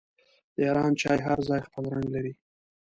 د ایران چای هر ځای خپل رنګ لري.